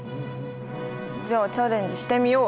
じゃあチャレンジしてみよう。